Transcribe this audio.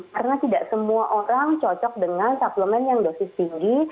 karena tidak semua orang cocok dengan suplemen yang dosis tinggi